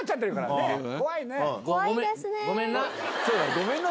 ごめんな。